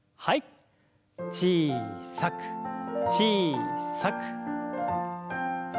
小さく小さく。